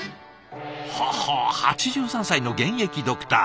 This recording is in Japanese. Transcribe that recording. ほほう８３歳の現役ドクター。